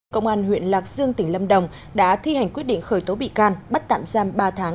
công an huyện lạc dương tỉnh lâm đồng đã thi hành quyết định khởi tố bị can bắt tạm giam ba tháng